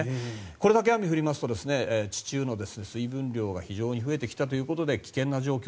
これだけ雨が降りますと地中の水分量が非常に増えてきたということで危険な状況。